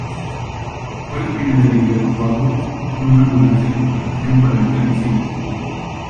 Fue el primer herido evacuado, en una ambulancia con protección para evitar incidentes.